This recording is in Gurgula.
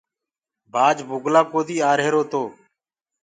بآج بُگلآ ڪودي آرهيرو تو۔